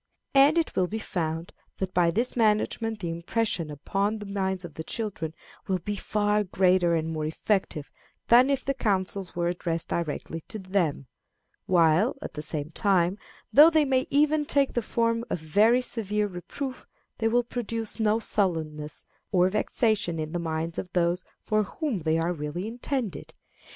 And it will be found that by this management the impression upon the minds of the children will be far greater and more effective than if the counsels were addressed directly to them; while, at the same time, though they may even take the form of very severe reproof, they will produce no sullenness or vexation in the minds of those for whom they are really intended.